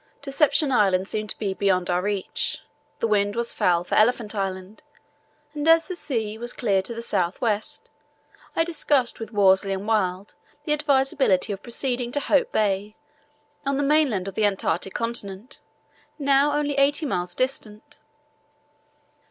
Deception Island seemed to be beyond our reach. The wind was foul for Elephant Island, and as the sea was clear to the south west; I discussed with Worsley and Wild the advisability of proceeding to Hope Bay on the mainland of the Antarctic Continent, now only eighty miles distant.